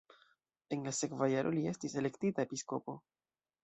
En la sekva jaro li estis elektita episkopo.